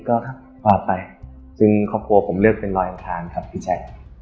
ก็ออกไปซึ่งครอบครัวผมเลือกเป็นรอยอังคารครับพี่แจ๊ค